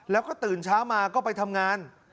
แล้วก็ตื่นเช้ามาก็ไปทำงาน